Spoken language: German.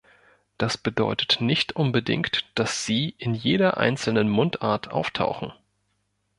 Das bedeutet nicht unbedingt, dass sie in jeder einzelnen Mundart auftauchen.